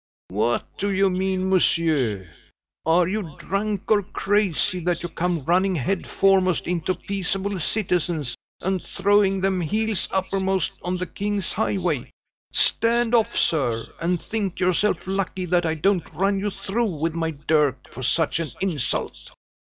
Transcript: "What do you mean, monsieur? Are you drunk, or crazy, that you come running head foremost into peaceable citizens, and throwing them heels uppermost on the king's highway! Stand off, sir! And think yourself lucky that I don't run you through with my dirk for such an insult!"